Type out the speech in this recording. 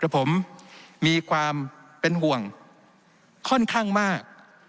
แต่ผมมีความเป็นห่วงค่อนข้างมาก